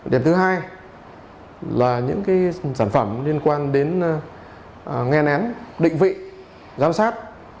điểm thứ hai là những cái sản phẩm liên quan đến nghe lén định vị giám sát